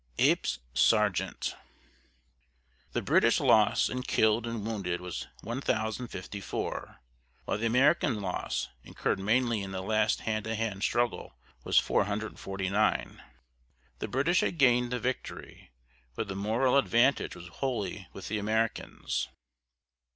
EPES SARGENT. The British loss in killed and wounded was 1054, while the American loss, incurred mainly in the last hand to hand struggle, was 449. The British had gained the victory, but the moral advantage was wholly with the Americans.